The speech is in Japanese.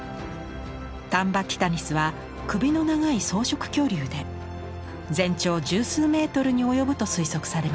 タンバティタニスは首の長い草食恐竜で全長十数メートルに及ぶと推測されます。